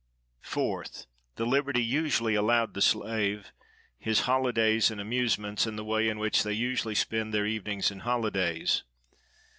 4th. "The liberty usually allowed the slave,—his holidays and amusements, and the way in which they usually spend their evenings and holidays."